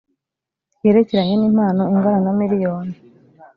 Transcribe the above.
yerekeranye n impano ingana na miliyoni